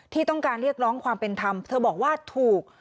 ที่ต้องการเรียกร้องความเป็นธรรมเธอบอกว่าถูก